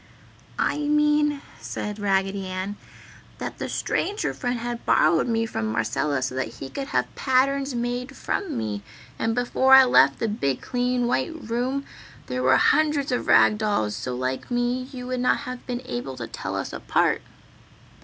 "I mean," said Raggedy Ann, "that the Stranger Friend had borrowed me from Marcella so that he could have patterns made from me. And before I left the big clean white room there where hundreds of rag dolls so like me you would not have been able to tell us apart."